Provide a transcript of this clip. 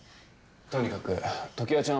とにかく常盤ちゃん